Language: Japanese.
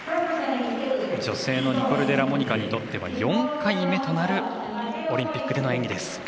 女性のニコル・デラモニカにとっては４回目となるオリンピックでの演技です。